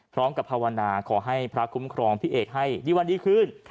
พร้อมกับภาวนาขอให้พระคุ้มครองพี่เอกให้ดีวันดีขึ้น